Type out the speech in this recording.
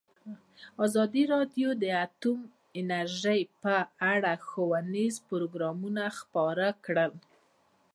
ازادي راډیو د اټومي انرژي په اړه ښوونیز پروګرامونه خپاره کړي.